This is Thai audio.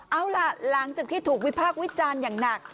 เอาล่ะหลังจากที่ถูกวิพากษ์วิจารณ์อย่างหนัก